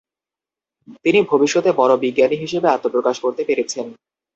তিনি ভবিষ্যতে বড় বিজ্ঞানী হিসেবে আত্মপ্রকাশ করতে পেরেছেন।